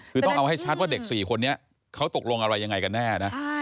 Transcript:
คือต้องเอาให้ชัดว่าเด็ก๔คนนี้เขาตกลงอะไรยังไงกันแน่นะ